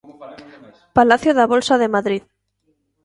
Palacio da Bolsa de Madrid.